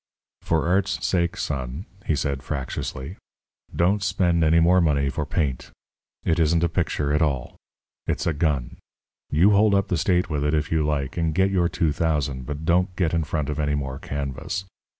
"For Art's sake, son," he said, fractiously, "don't spend any more money for paint. It isn't a picture at all. It's a gun. You hold up the state with it, if you like, and get your two thousand, but don't get in front of any more canvas.